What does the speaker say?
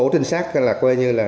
tổ trinh sát